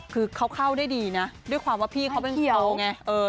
คือเขาเข้าได้ดีนะด้วยความว่าพี่เขาเป็นเขาไง